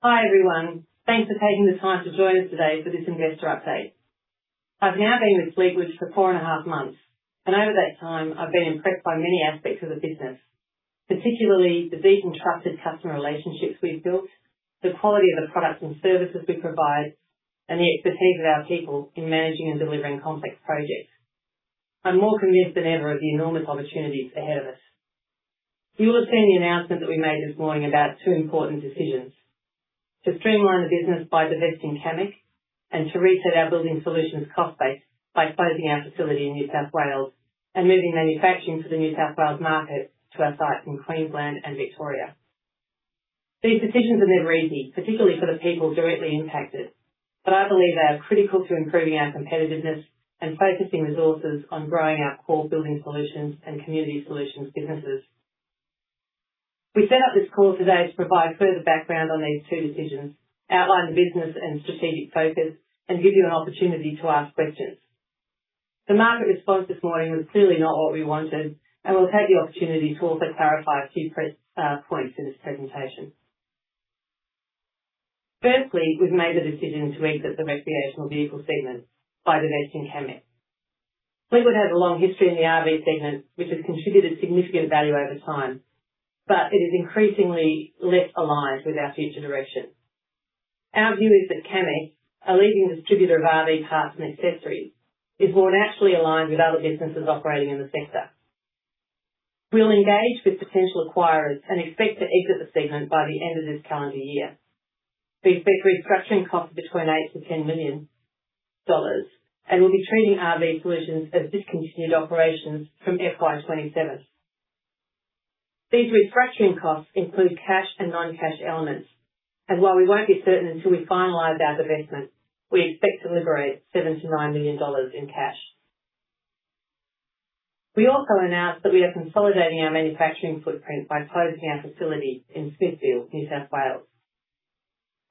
Hi, everyone. Thanks for taking the time to join us today for this Investor Update. I've now been with Fleetwood for 4.5 months, and over that time I've been impressed by many aspects of the business, particularly the deep and trusted customer relationships we've built, the quality of the products and services we provide, and the expertise of our people in managing and delivering complex projects. I'm more convinced than ever of the enormous opportunities ahead of us. You will have seen the announcement that we made this morning about two important decisions. To streamline the business by divesting Camec and to reset our Building Solutions cost base by closing our facility in New South Wales and moving manufacturing for the New South Wales market to our sites in Queensland and Victoria. These decisions are never easy, particularly for the people directly impacted, but I believe they are critical to improving our competitiveness and focusing resources on growing our core Building Solutions and Community Solutions businesses. We set up this call today to provide further background on these two decisions, outline the business and strategic focus, and give you an opportunity to ask questions. The market response this morning was clearly not what we wanted, and we'll take the opportunity to also clarify a few points in this presentation. Firstly, we've made the decision to exit the recreational vehicle segment by divesting Camec. Fleetwood has a long history in the RV segment, which has contributed significant value over time, but it is increasingly less aligned with our future direction. Our view is that Camec, a leading distributor of RV parts and accessories, is more naturally aligned with other businesses operating in the sector. We will engage with potential acquirers and expect to exit the segment by the end of this calendar year. We expect restructuring costs between 8 million-10 million dollars, and we'll be treating RV Solutions as discontinued operations from FY 2027. These restructuring costs include cash and non-cash elements, and while we won't be certain until we finalize our divestment, we expect to liberate 7 million-9 million dollars in cash. We also announced that we are consolidating our manufacturing footprint by closing our facility in Smithfield, New South Wales.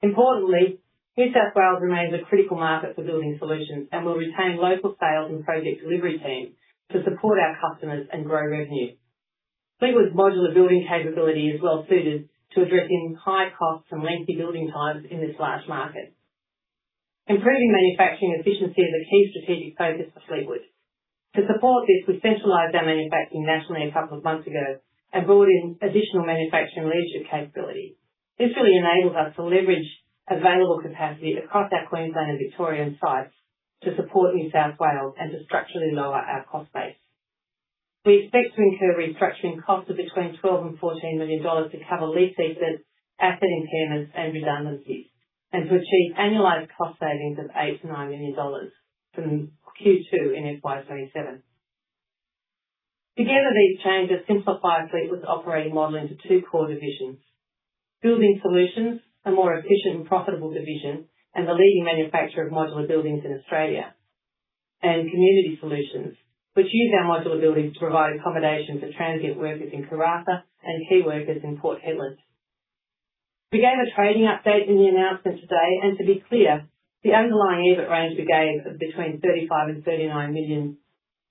Importantly, New South Wales remains a critical market for Building Solutions and will retain local sales and project delivery teams to support our customers and grow revenue. Fleetwood's modular building capability is well-suited to addressing high costs and lengthy building times in this large market. Improving manufacturing efficiency is a key strategic focus for Fleetwood. To support this, we centralized our manufacturing nationally a couple of months ago and brought in additional manufacturing leadership capability. This really enables us to leverage available capacity across our Queensland and Victorian sites to support New South Wales and to structurally lower our cost base. We expect to incur restructuring costs of between 12 million and 14 million dollars to cover lease leases, asset impairments and redundancies, and to achieve annualized cost savings of 8 million-9 million dollars from Q2 in FY 2027. Together, these changes simplify Fleetwood's operating model into two core divisions. Building Solutions, a more efficient and profitable division, and the leading manufacturer of modular buildings in Australia. And Community Solutions, which use our modular buildings to provide accommodation for transient workers in Karratha and key workers in Port Hedland. We gave a trading update in the announcement today, and to be clear, the underlying EBIT range we gave of between 35 million and 39 million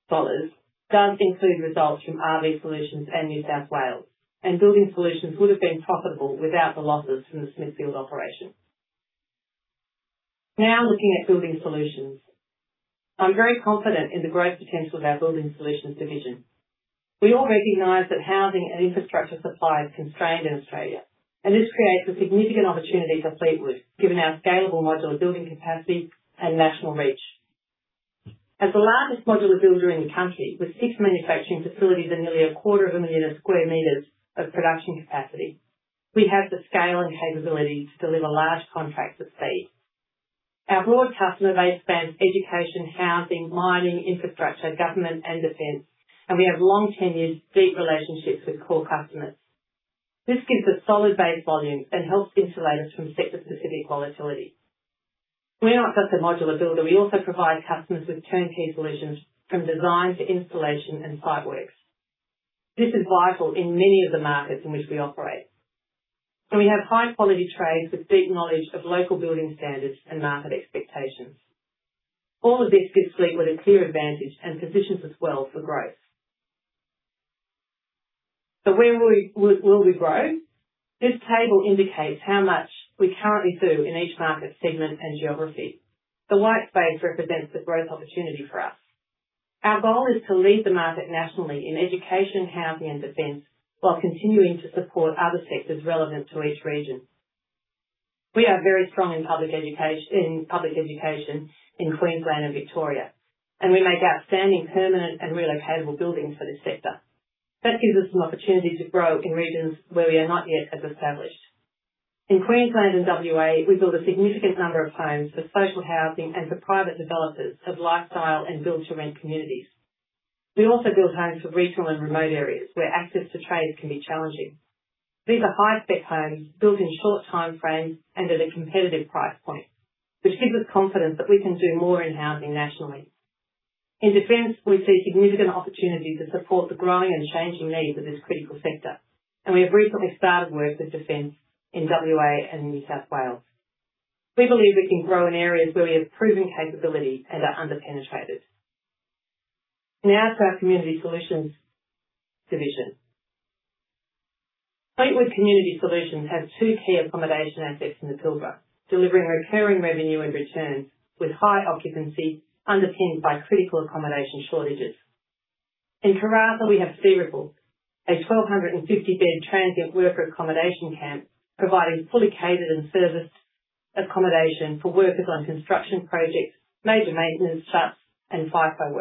dollars does include results from RV Solutions and New South Wales. Building Solutions would have been profitable without the losses from the Smithfield operation. Looking at Building Solutions. I'm very confident in the growth potential of our Building Solutions division. We all recognize that housing and infrastructure supply is constrained in Australia, and this creates a significant opportunity for Fleetwood, given our scalable modular building capacity and national reach. As the largest modular builder in the country with six manufacturing facilities and nearly a 250,000 sq m of production capacity, we have the scale and capability to deliver large contracts at speed. Our broad customer base spans education, housing, mining, infrastructure, government and defense, and we have long tenured, deep relationships with core customers. This gives a solid base volume and helps insulate us from sector-specific volatility. We are not just a modular builder. We also provide customers with turnkey solutions, from design to installation and site works. This is vital in many of the markets in which we operate, and we have high-quality trades with deep knowledge of local building standards and market expectations. All of this gives Fleetwood a clear advantage and positions us well for growth. Where will we grow? This table indicates how much we currently do in each market segment and geography. The white space represents the growth opportunity for us. Our goal is to lead the market nationally in education, housing and defense while continuing to support other sectors relevant to each region. We are very strong in public education in Queensland and Victoria, and we make outstanding permanent and relocatable buildings for this sector. That gives us some opportunity to grow in regions where we are not yet as established. In Queensland and W.A., we build a significant number of homes for social housing and for private developers of lifestyle and build-to-rent communities. We also build homes for regional and remote areas where access to trades can be challenging. These are high-spec homes built in short time frames and at a competitive price point, which gives us confidence that we can do more in housing nationally. In Defense, we see significant opportunity to support the growing and changing needs of this critical sector, and we have recently started work with Defense in W.A. and New South Wales. To our Community Solutions division. Fleetwood Community Solutions has two key accommodation assets in the Pilbara, delivering recurring revenue and returns with high occupancy underpinned by critical accommodation shortages. In Karratha, we have Searipple, a 1,250-bed transient worker accommodation camp providing fully catered and serviced accommodation for workers on construction projects, major maintenance shuts, and FIFO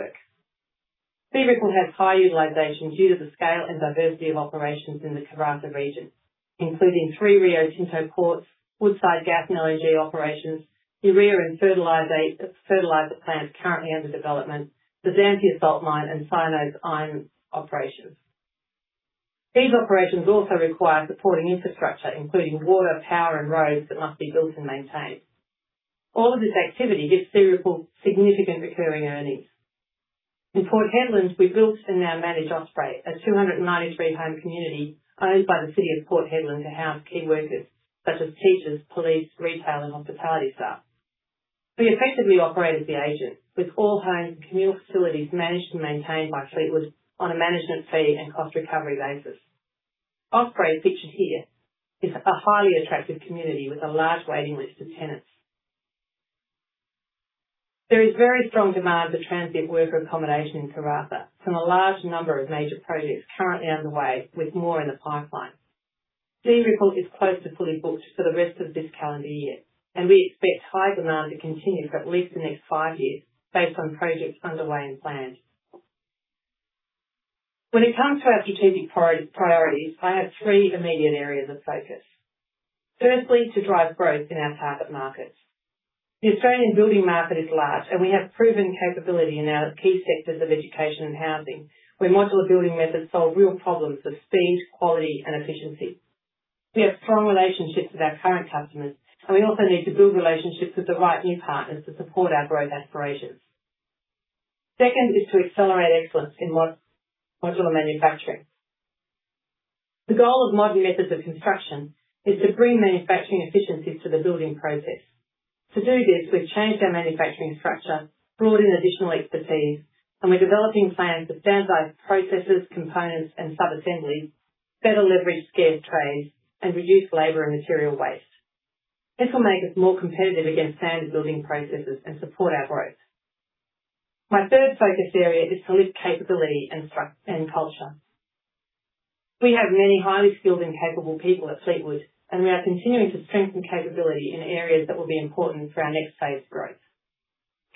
workers. Searipple has high utilization due to the scale and diversity of operations in the Karratha region, including three Rio Tinto ports, Woodside Gas and LNG operations, urea and fertilizer plants currently under development, the Dampier Salt mine, and Sino Iron operations. These operations also require supporting infrastructure, including water, power, and roads that must be built and maintained. All of this activity gives Searipple significant recurring earnings. In Port Hedland, we built and now manage Osprey, a 293-home community owned by the City of Port Hedland to house key workers such as teachers, police, retail, and hospitality staff. We effectively operate as the agent with all homes and communal facilities managed and maintained by Fleetwood on a management fee and cost recovery basis. Osprey, pictured here, is a highly attractive community with a large waiting list of tenants. There is very strong demand for transient worker accommodation in Karratha from a large number of major projects currently underway, with more in the pipeline. Searipple is close to fully booked for the rest of this calendar year, and we expect high demand to continue for at least the next five years based on projects underway and planned. When it comes to our strategic priorities, I have three immediate areas of focus. Firstly, to drive growth in our target markets. The Australian building market is large, and we have proven capability in our key sectors of education and housing, where modular building methods solve real problems of speed, quality, and efficiency. We have strong relationships with our current customers, and we also need to build relationships with the right new partners to support our growth aspirations. Second is to accelerate excellence in modular manufacturing. The goal of modern methods of construction is to bring manufacturing efficiencies to the building process. To do this, we've changed our manufacturing structure, brought in additional expertise, and we're developing plans to standardize processes, components, and sub-assemblies, better leverage scarce trades, and reduce labor and material waste. This will make us more competitive against standard building processes and support our growth. My third focus area is to lift capability and culture. We have many highly skilled and capable people at Fleetwood, and we are continuing to strengthen capability in areas that will be important for our next phase of growth.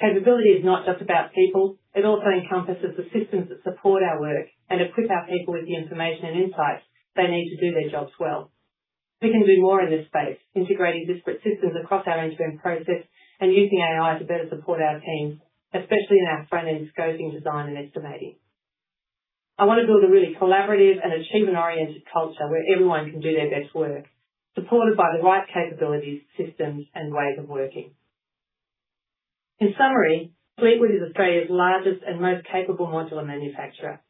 Capability is not just about people; it also encompasses the systems that support our work and equip our people with the information and insights they need to do their jobs well. We can do more in this space, integrating disparate systems across our end-to-end process and using AI to better support our teams, especially in our front-end scoping, design, and estimating. I want to build a really collaborative and achievement-oriented culture where everyone can do their best work, supported by the right capabilities, systems, and ways of working. In summary, Fleetwood is Australia's largest and most capable modular manufacturer,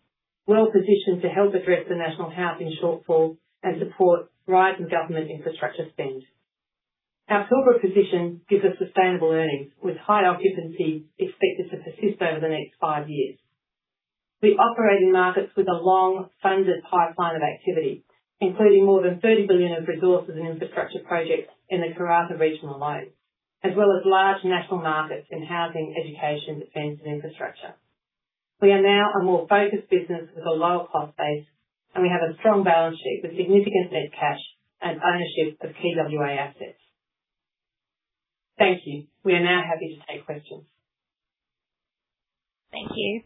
well-positioned to help address the national housing shortfall and support rising government infrastructure spend. Our Pilbara position gives us sustainable earnings, with high occupancy expected to persist over the next five years. We operate in markets with a long, funded pipeline of activity, including more than 30 billion of resources and infrastructure projects in the Karratha regional alone, as well as large national markets in housing, education, defense, and infrastructure. We are now a more focused business with a lower cost base, and we have a strong balance sheet with significant net cash and ownership of PWA assets. Thank you. We are now happy to take questions. Thank you.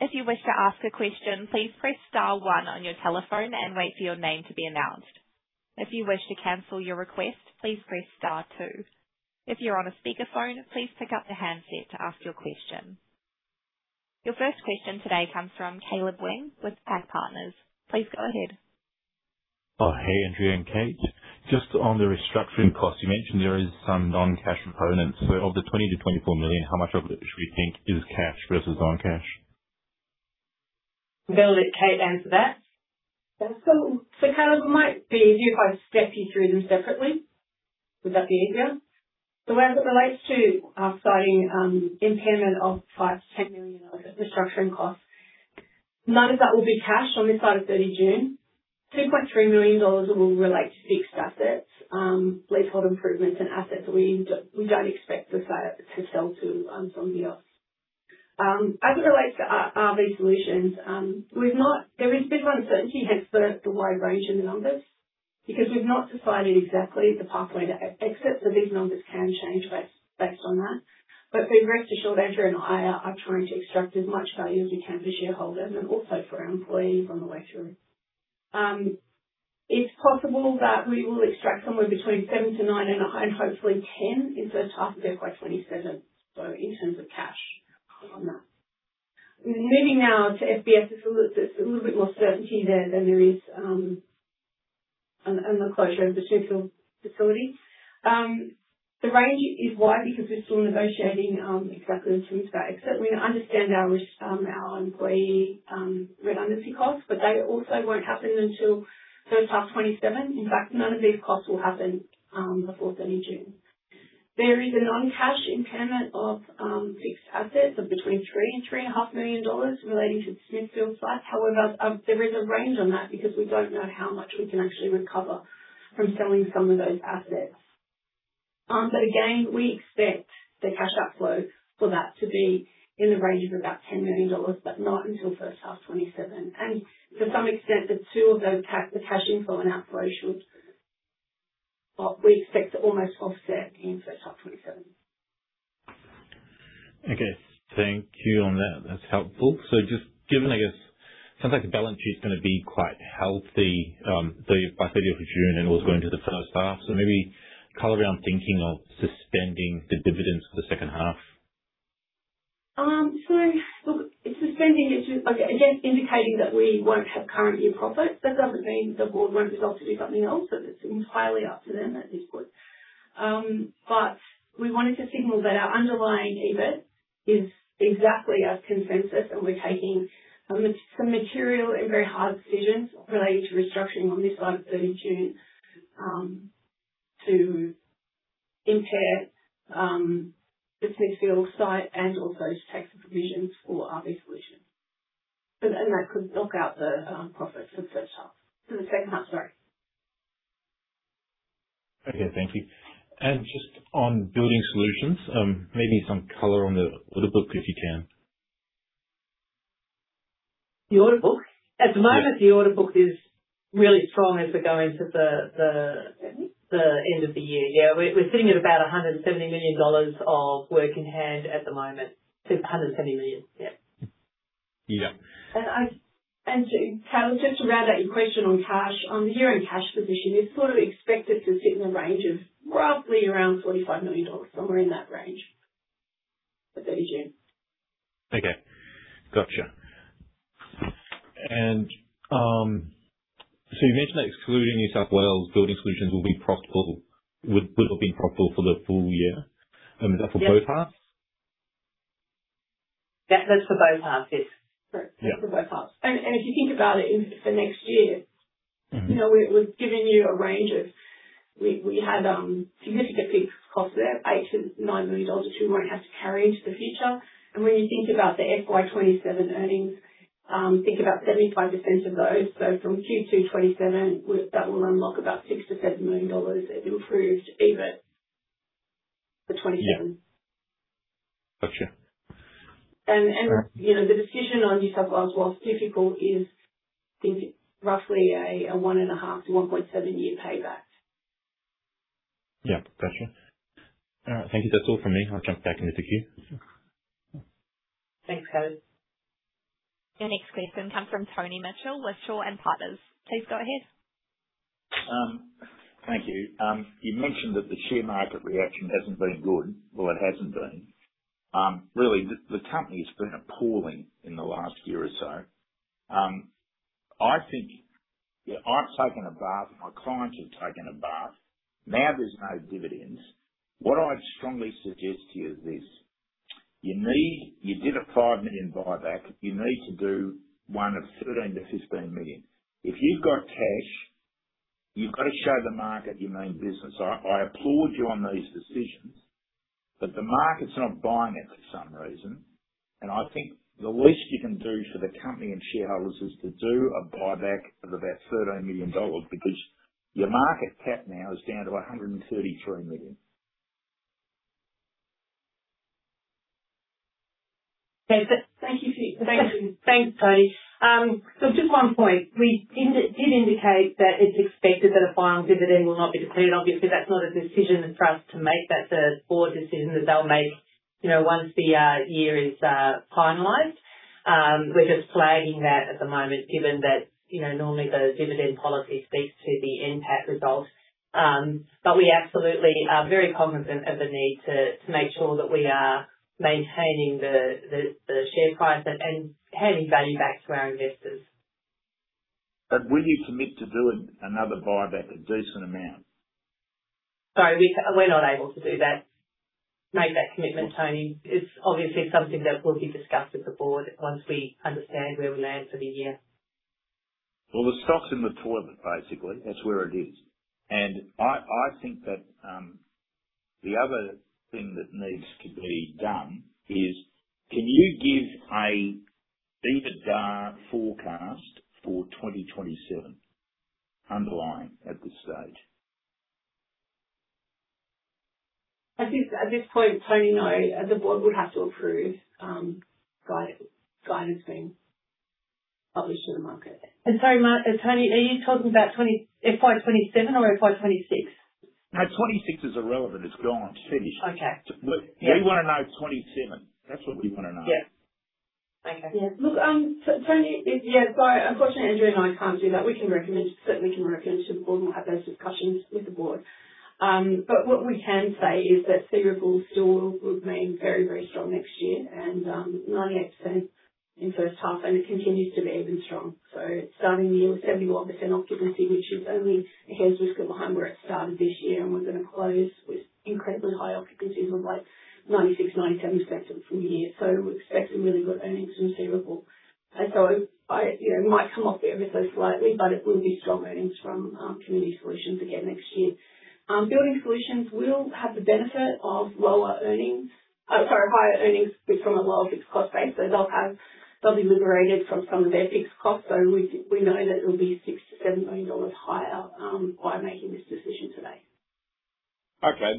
If you wish to ask a question, please press star one on your telephone and wait for your name to be announced. If you wish to cancel your request, please press star two. If you are on a speakerphone, please pick up the handset to ask your question. Your first question today comes from Caleb Weng with PAC Partners. Please go ahead. Hey, Andrea and Cate. Just on the restructuring cost, you mentioned there is some non-cash components. Of the 20 million-24 million, how much of it should we think is cash versus non-cash? I am going to let Cate answer that. Caleb, it might be easier if I step you through them separately. Would that be easier? As it relates to our site impairment of 5 million-10 million of restructuring costs, none of that will be cashed on this side of 30 June. 2.3 million dollars will relate to fixed assets, leasehold improvements, and assets we do not expect to sell to somebody else. As it relates to RV Solutions, there has been uncertainty, hence the wide range in the numbers, because we have not decided exactly the pathway to exit, these numbers can change based on that. Be rest assured, Andrea and I are trying to extract as much value as we can for shareholders and also for our employees on the way through. It's possible that we will extract somewhere between 7 million-9.5 million, hopefully 10 million in the first half of FY 2027. In terms of cash on that. Moving now to [FBF, there's a little bit more certainty there than there is on the closure of the Smithfield facility. The range is wide because we're still negotiating exactly the terms of our exit. We understand our employee redundancy costs, but they also won't happen until the first half of 2027. In fact, none of these costs will happen before 30 June. There is a non-cash impairment of fixed assets of between 3 million-3.5 million dollars relating to the Smithfield site. However, there is a range on that because we don't know how much we can actually recover from selling some of those assets. Again, we expect the cash outflow for that to be in the range of about 10 million dollars, but not until the first half 2027. To some extent, the two of those, the cash inflow and outflow, we expect to almost offset in first half 2027. Okay. Thank you on that. That's helpful. Just given, I guess, sounds like the balance sheet's going to be quite healthy by June 30th and also into the first half. Maybe color around thinking of suspending the dividends for the second half? Look, suspending is just again, indicating that we won't have current year profit. That doesn't mean the Board won't resolve to do something else, but it's entirely up to them at this point. We wanted to signal that our underlying EBIT is exactly as consensus, and we're taking some material and very hard decisions relating to restructuring on this side of 30 June, to impair the Smithfield site and also to take the provisions for RV Solutions. That could knock out the profits for the second half, sorry. Okay. Thank you. Just on Building Solutions, maybe some color on the order book, if you can? The order book? At the moment, the order book is really strong as we go into the end of the year. Yeah, we're sitting at about 170 million dollars of work in hand at the moment. Said 170 million. Yeah. Yeah. Caleb, just to round out your question on cash, on the year-end cash position, it's expected to sit in the range of roughly around 45 million dollars, somewhere in that range for 30 June. Okay. Got you. You mentioned that excluding New South Wales, Building Solutions will be profitable for the full year. Is that for both halves? That's for both halves, yes. Correct. For both halves. If you think about it, for next year. We had significant de-pegging costs there, 8 million-9 million dollars which we won't have to carry into the future. When you think about the FY 2027 earnings, think about 75% of those. From Q2 2027, that will unlock about 6 million-7 million dollars of improved EBIT for 2027. Yeah. Got you. The decision on New South Wales, whilst difficult, is roughly a 1.5 year-1.7 year payback. Yeah. Got you. All right. Thank you. That's all from me. I'll jump back into the queue. Thanks, Caleb. Your next question comes from Tony Mitchell with Shaw and Partners. Please go ahead. Thank you. You mentioned that the share market reaction hasn't been good. Well, it hasn't been. Really, the company's been appalling in the last year or so. I think I've taken a bath and my clients have taken a bath. There's no dividends. What I'd strongly suggest to you is this. You did a 5 million buyback. You need to do one of 13 million-15 million. If you've got cash, you've got to show the market you mean business. I applaud you on these decisions, the market's not buying it for some reason. I think the least you can do for the company and shareholders is to do a buyback of about AUD 13 million, because your market cap now is down to AUD 133 million. Thank you, Tony. Thanks, Tony. Just one point. We did indicate that it's expected that a final dividend will not be declared. Obviously, that's not a decision for us to make. That's a Board decision that they'll make once the year is finalized. We're just flagging that at the moment, given that normally the dividend policy speaks to the NPAT result. We absolutely are very cognizant of the need to make sure that we are maintaining the share price and handing value back to our investors. Will you commit to doing another buyback, a decent amount? Sorry, we're not able to do that, make that commitment, Tony. It's obviously something that will be discussed with the Board once we understand where we land for the year. Well, the stock's in the toilet, basically. That's where it is. I think that the other thing that needs to be done is, can you give an EBITDA forecast for 2027 underlying at this stage? At this point, Tony, no. The Board would have to approve guidance being published to the market. Sorry, Tony, are you talking about FY 2027 or FY 2026? No, 2026 is irrelevant. It's gone, finished. Okay. Yeah. We want to know 2027. That's what we want to know. Yeah. Okay. Look, Tony, yeah, unfortunately, Andrea and I can't do that. We can certainly recommend to the Board and we'll have those discussions with the Board. What we can say is that Searipple will still remain very strong next year and 98% in the first half. It continues to be even strong. Starting the year with 71% occupancy, which is only a hair's whisker behind where it started this year, and we're going to close with incredibly high occupancies of like 96%, 97% for the year. We expect some really good earnings from Searipple. It might come off ever so slightly, but it will be strong earnings from Searipple. Community Solutions again next year. Building Solutions will have the benefit of higher earnings from a lower fixed cost base. They'll be liberated from some of their fixed costs. We know that it'll be 6 million-7 million dollars higher by making this decision today. Okay.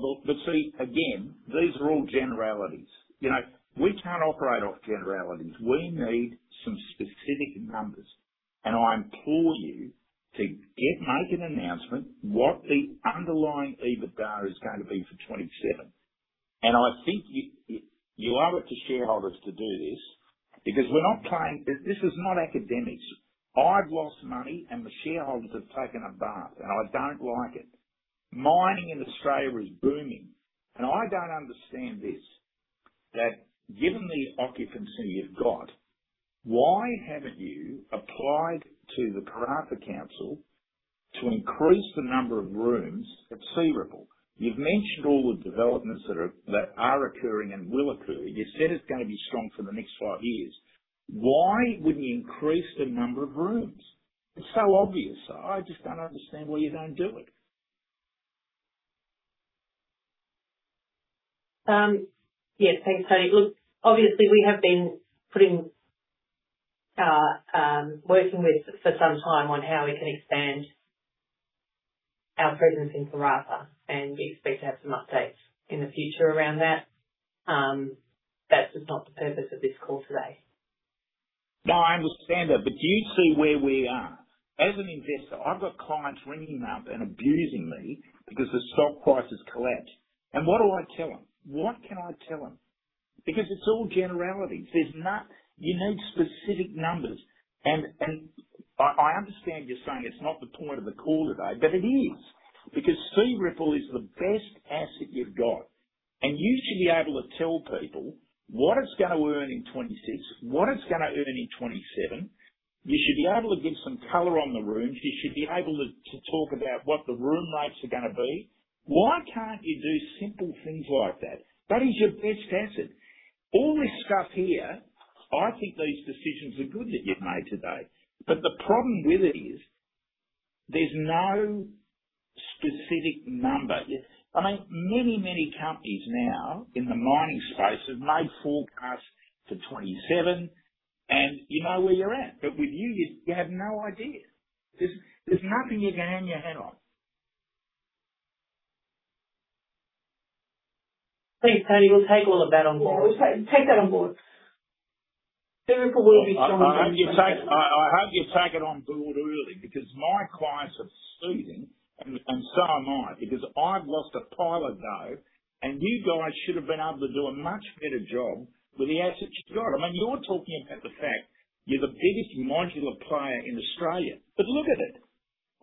See, again, these are all generalities. We can't operate off generalities. We need some specific numbers. I implore you to make an announcement what the underlying EBITDA is going to be for FY 2027. I think you owe it to shareholders to do this because this is not academics. I've lost money, and the shareholders have taken a bath, and I don't like it. Mining in Australia is booming, and I don't understand this, that given the occupancy you've got, why haven't you applied to the Karratha Council to increase the number of rooms at Searipple Village? You've mentioned all the developments that are occurring and will occur, and you said it's going to be strong for the next five years. Why wouldn't you increase the number of rooms? It's so obvious. I just don't understand why you don't do it. Thanks, Tony. Obviously, we have been working with for some time on how we can expand our presence in Karratha, and you expect to have some updates in the future around that. That was not the purpose of this call today. No, I understand that. Do you see where we are? As an investor, I've got clients ringing me up and abusing me because the stock price has collapsed. What do I tell them? What can I tell them? It's all generalities. You need specific numbers. I understand you're saying it's not the point of the call today, but it is. Searipple is the best asset you've got, and you should be able to tell people what it's going to earn in FY 2026, what it's going to earn in FY 2027. You should be able to give some color on the rooms. You should be able to talk about what the room rates are going to be. Why can't you do simple things like that? That is your best asset. All this stuff here, I think these decisions are good that you've made today. The problem with it is there's no specific number. Many companies now in the mining space have made forecasts for FY 2027 and you know where you're at. With you have no idea. There's nothing you can hang your hat on. Thanks, Tony. We'll take all of that on Board. Yeah. We'll take that on Board. Searipple Village will be strong. I hope you take it on Board early because my clients are seething, and so am I because I've lost a pile of dough and you guys should have been able to do a much better job with the assets you've got. You're talking about the fact you're the biggest modular player in Australia. Look at it.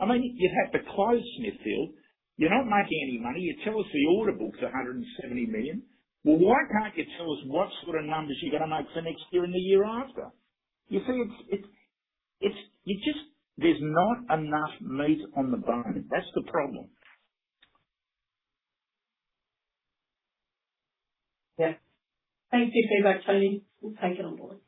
You had to close Smithfield. You're not making any money. You tell us the order book's 170 million. Well, why can't you tell us what sort of numbers you're going to make for next year and the year after? You see, there's not enough meat on the bone. That's the problem. Thank you for your feedback, Tony. We'll take it on Board.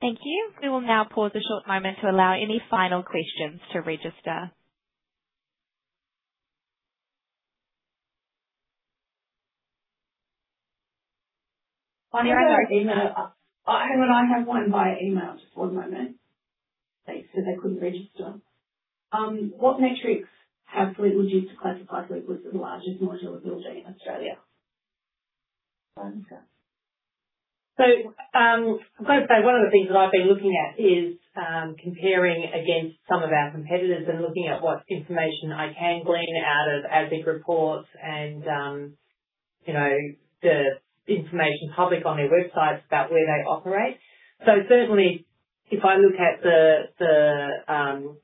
Thank you. We will now pause a short moment to allow any final questions to register. I have one via email, just one moment. Thanks. They couldn't register. What metrics have Fleetwood used to classify Fleetwood as the largest modular building in Australia? Over to you, Andrea. I've got to say, one of the things that I've been looking at is comparing against some of our competitors and looking at what information I can glean out of ASIC reports and the information public on their websites about where they operate. Certainly, if I look at the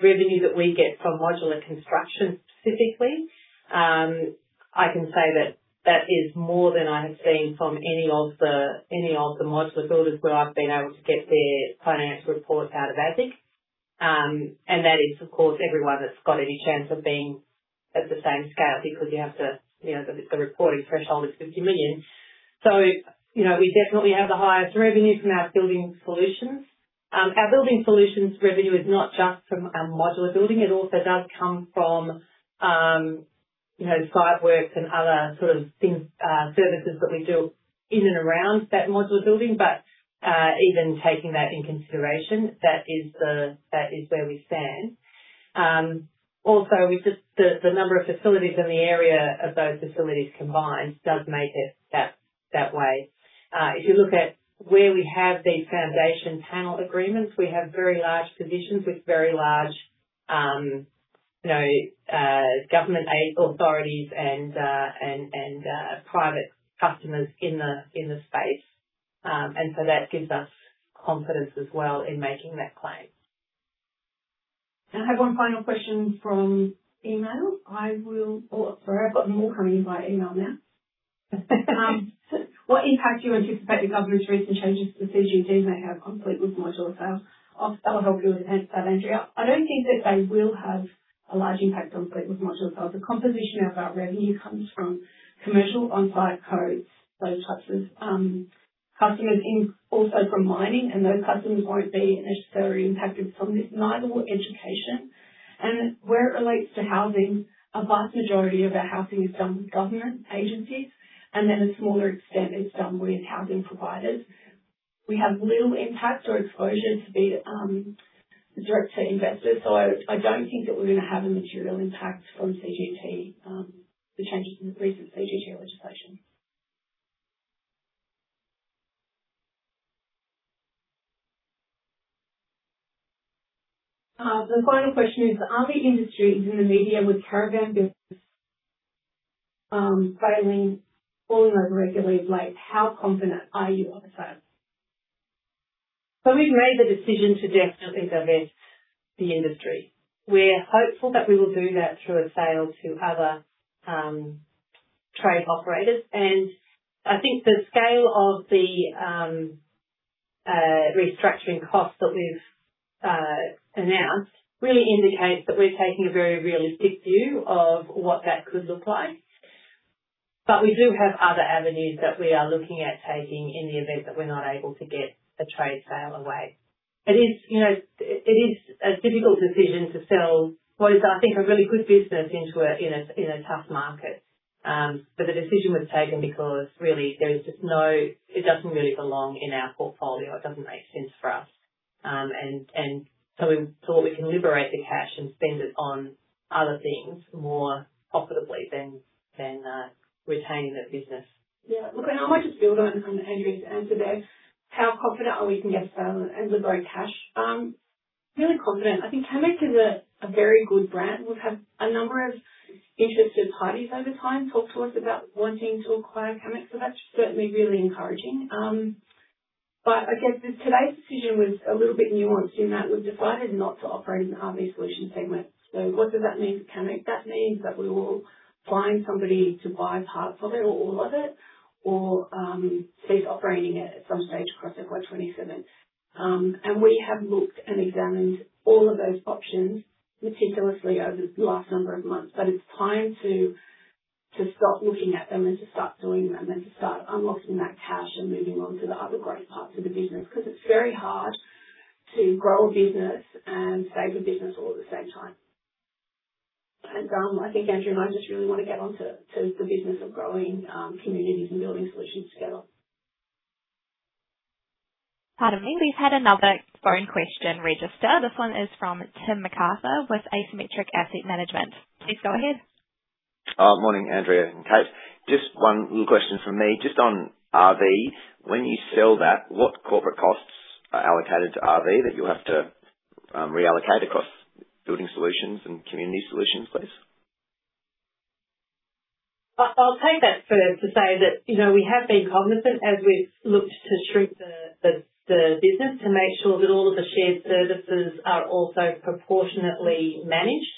revenue that we get from modular construction specifically, I can say that that is more than I have seen from any of the modular builders where I've been able to get their financial reports out of ASIC. That is, of course, everyone that's got any chance of being at the same scale because the reporting threshold is 50 million. We definitely have the highest revenue from our Building Solutions. Our Building Solutions revenue is not just from our modular building. It also does come from site works and other services that we do in and around that modular building. Even taking that into consideration, that is where we stand. Also, the number of facilities and the area of those facilities combined does make it that way. If you look at where we have these foundation panel agreements, we have very large positions with very large government authorities and private customers in the space. That gives us confidence as well in making that claim. I have one final question from email. Sorry, I've got more coming in via email now. What impact do you anticipate the government's recent changes to the CGT may have on Fleetwood modular sales? I'll help you with that, Andrea. I don't think that they will have a large impact on Fleetwood modular sales. The composition of our revenue comes from commercial on-site codes, those types of customers, and also from mining, and those customers won't be necessarily impacted from this, neither will education. Where it relates to housing, a vast majority of our housing is done with government agencies, and then a smaller extent is done with housing providers. We have little impact or exposure to be direct to investors. I don't think that we're going to have a material impact from the changes in the recent CGT legislation. The final question is, RV industry is in the media with caravan businesses failing, falling over regularly of late. How confident are you of a sale? We've made the decision to definitely divest the industry. We're hopeful that we will do that through a sale to other trade operators. I think the scale of the restructuring costs that we've announced really indicates that we're taking a very realistic view of what that could look like. We do have other avenues that we are looking at taking in the event that we're not able to get a trade sale away. It is a difficult decision to sell what is, I think, a really good business in a tough market. The decision was taken because really there is just it doesn't really belong in our portfolio. It doesn't make sense for us. We thought we can liberate the cash and spend it on other things more profitably than retaining that business. Yeah. Look, I might just build on Andrea's answer there. How confident are we can get a sale and liberate cash? Really confident. I think Camec is a very good brand. We've had a number of interested parties over time talk to us about wanting to acquire Camec, so that's certainly really encouraging. Today's decision was a little bit nuanced in that we've decided not to operate in the RV Solutions segment. So what does that mean for Camec? That means that we will find somebody to buy part of it or all of it or cease operating it at some stage prior to FY 2027. We have looked and examined all of those options meticulously over the last number of months. It's time to stop looking at them and to start doing them and to start unlocking that cash and moving on to the other great parts of the business. Because it's very hard to grow a business and save a business all at the same time. I think Andrea and I just really want to get on to the business of growing Community Solutions and Building Solutions together. Pardon me. We've had another phone question register. This one is from Tim McArthur with Asymmetric Asset Management. Please go ahead. Morning, Andrea and Cate. Just one little question from me. Just on RV, when you sell that, what corporate costs are allocated to RV that you'll have to reallocate across Building Solutions and Community Solutions, please? I'll take that to say that we have been cognizant as we've looked to shrink the business to make sure that all of the shared services are also proportionately managed.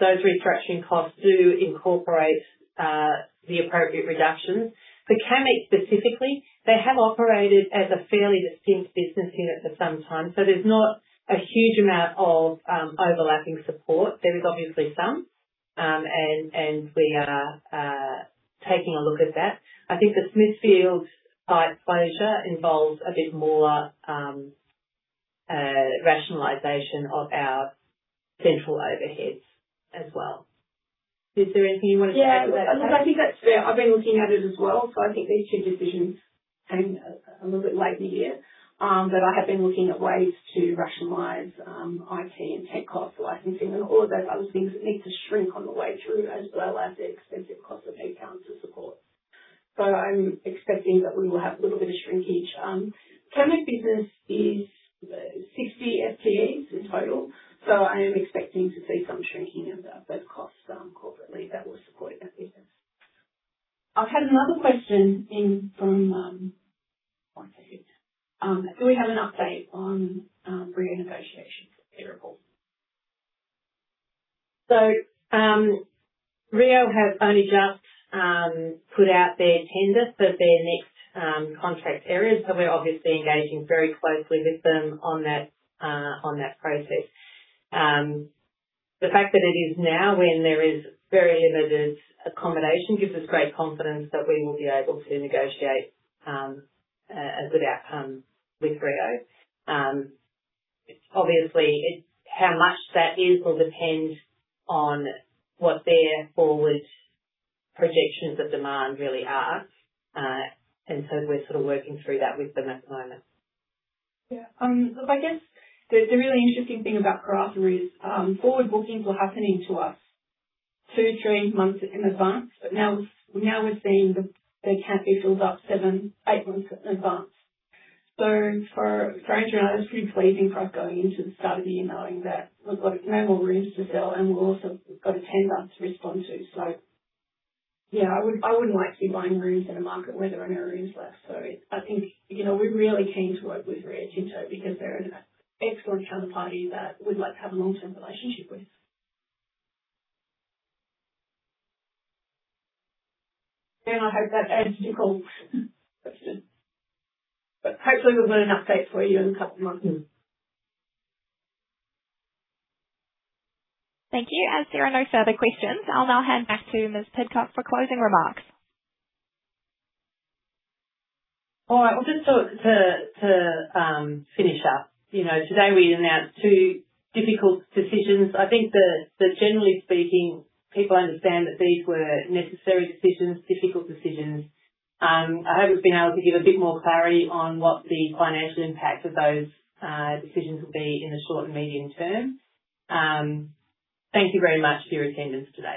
Those restructuring costs do incorporate the appropriate reductions. For Camec specifically, they have operated as a fairly distinct business unit for some time. There's not a huge amount of overlapping support. There is obviously some, and we are taking a look at that. I think the Smithfield site closure involves a bit more rationalization of our central overheads as well. Is there anything you want to add to that, Cate? Yeah, look, I think that's fair. I've been looking at it as well. I think these two decisions came a little bit late in the year, but I have been looking at ways to rationalize IT and tech costs, licensing, and all of those other things that need to shrink on the way through as well as the expensive cost of head count to support. I'm expecting that we will have a little bit of shrinkage. Camec business is 60 FTEs in total. I am expecting to see some shrinking of those costs corporately that were supporting that business. I've had another question in from, one second. Do we have an update on Rio negotiations? Rio have only just put out their tender for their next contract areas. We're obviously engaging very closely with them on that process. The fact that it is now when there is very limited accommodation gives us great confidence that we will be able to negotiate a good outcome with Rio. Obviously, how much that is will depend on what their forward projections of demand really are. We're working through that with them at the moment. Yeah. Look, I guess the really interesting thing about Karratha is forward bookings were happening to us two, three months in advance. Now we're seeing the camp get filled up seven, eight months in advance. For Andrea and I, it was pretty pleasing for us going into the start of the year knowing that we've got no more rooms to sell, and we've also got a tender to respond to. Yeah, I wouldn't like to be buying rooms in a market where there are no rooms left. I think we're really keen to work with Rio Tinto because they're an excellent counterparty that we'd like to have a long-term relationship with. I hope that answers your question. Hopefully, we've got an update for you in a couple of months. Thank you. As there are no further questions, I'll now hand back to Miss Pidcock for closing remarks. All right. Well, just to finish up, today we announced two difficult decisions. I think that generally speaking, people understand that these were necessary decisions, difficult decisions. I hope we've been able to give a bit more clarity on what the financial impact of those decisions will be in the short and medium term. Thank you very much for your attendance today.